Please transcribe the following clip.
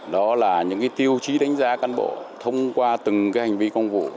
đó là những tiêu chí đánh giá cán bộ thông qua từng hành vi công vụ